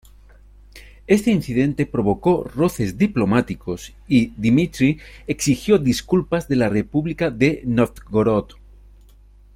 Este incidente provocó roces diplomáticos y Dmitri exigió disculpas de la República de Nóvgorod.